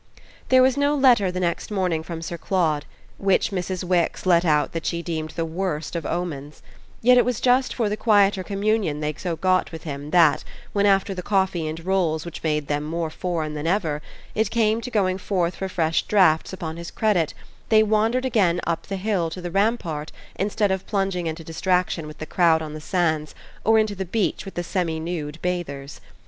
There was no letter the next morning from Sir Claude which Mrs. Wix let out that she deemed the worst of omens; yet it was just for the quieter communion they so got with him that, when after the coffee and rolls which made them more foreign than ever, it came to going forth for fresh drafts upon his credit they wandered again up the hill to the rampart instead of plunging into distraction with the crowd on the sands or into the sea with the semi nude bathers.